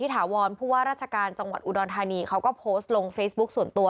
ถาวรผู้ว่าราชการจังหวัดอุดรธานีเขาก็โพสต์ลงเฟซบุ๊คส่วนตัว